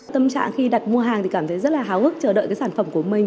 tâm trạng khi đặt mua hàng thì cảm thấy rất là háo hức chờ đợi cái sản phẩm của mình